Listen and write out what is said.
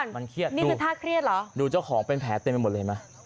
มันเครียดนะนี่คือท่าเครียดเหรอดูเจ้าของเป็นแผลเต็มไปหมดเลยไหม